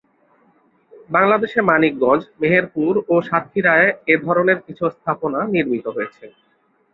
বাংলাদেশে মানিকগঞ্জ, মেহেরপুর ও সাতক্ষীরায় এধরনের কিছু স্থাপনা নির্মিত হয়েছে।